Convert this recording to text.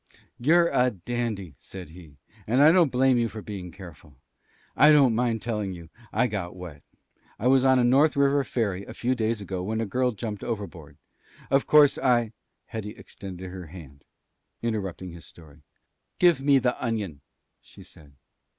"You're a dandy," said he. "And I don't blame you for being careful. I don't mind telling you. I got wet. I was on a North River ferry a few days ago when a girl jumped overboard. Of course, I " Hetty extended her hand, interrupting his story. "Give me the onion," she said.